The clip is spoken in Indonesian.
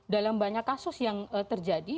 dalam banyak kasus yang terjadi